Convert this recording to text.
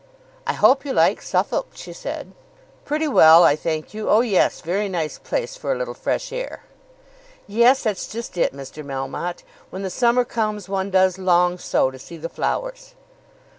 "I hope you like Suffolk," she said. "Pretty well, I thank you. Oh, yes; very nice place for a little fresh air." "Yes; that's just it, Mr. Melmotte. When the summer comes one does long so to see the flowers."